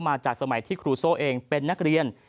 มาจากสมัยที่ครูโซ่เองเป็นนักเรียน